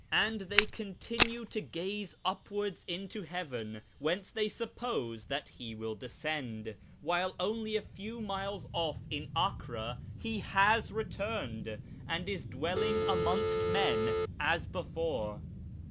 And they continue to gaze upwards into heaven, whence they suppose that He will descend, while only a few miles off in Acre He has returned, and is dwelling amongst men as before.